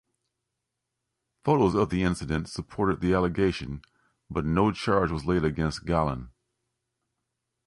Photos of the incident supported the allegation, but no charge was laid against Gallen.